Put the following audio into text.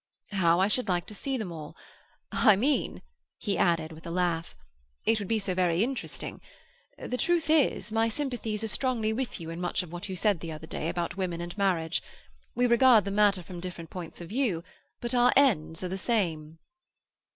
"How I should like to see them all!—I mean," he added, with a laugh, "it would be so very interesting. The truth is, my sympathies are strongly with you in much of what you said the other day about women and marriage. We regard the matter from different points of view, but our ends are the same."